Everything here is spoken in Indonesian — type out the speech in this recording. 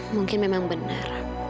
mungkin memang benar